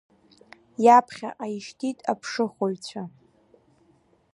Иаԥхьаҟа ишьҭит аԥшыхәыҩцәа.